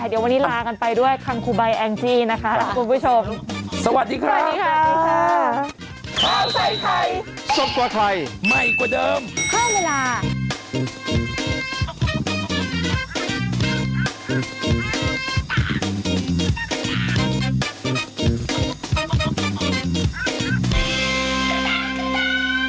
เดี๋ยวก่อนนะพรุ่งนี้มาจัดรายการคนเดียวนะพรุ่งนี้เจอกันแต่กับใครก่อนฮ่า